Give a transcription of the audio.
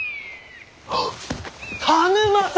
田沼様！